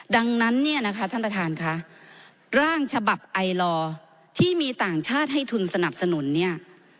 ดังนั้นเนี่ยนะคะท่านประธานค่ะร่างฉบับไอลอร์ที่มีต่างชาติให้ทุนสนับสนุนเนี่ย